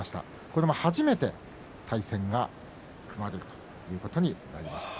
これも初めて対戦が組まれるということになります。